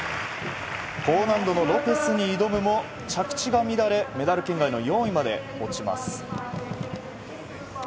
高難度のロペスに挑むも着地が乱れメダル圏外の４位まで落ちます。